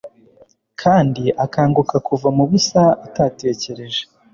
Kandi akanguka kuva mubusa atatekereje